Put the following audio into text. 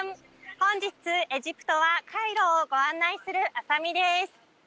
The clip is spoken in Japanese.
本日エジプトはカイロをご案内するあさみです